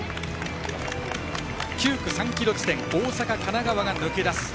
９区、３ｋｍ地点大阪、神奈川が抜け出す。